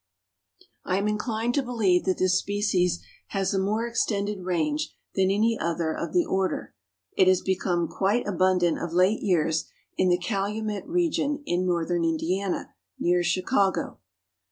I am inclined to believe that this species has a more extended range than any other of the order. It has become quite abundant of late years in the Calumet Region in Northern Indiana, near Chicago.